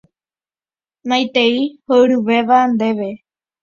Maitei horyvéva ndéve.